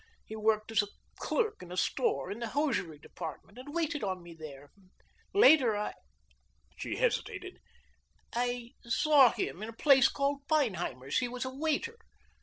He worked as a clerk in a store, in the hosiery department, and waited on me there. Later I" she hesitated "I saw him in a place called Feinheimer's. He was a waiter.